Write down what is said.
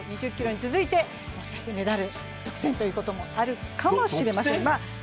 ２０ｋｍに続いてメダル独占ということもあるかもしれません。